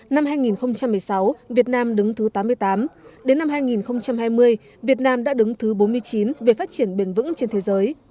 năm hai nghìn một mươi sáu việt nam đứng thứ tám mươi tám đến năm hai nghìn hai mươi việt nam đã đứng thứ bốn mươi chín về phát triển bền vững trên thế giới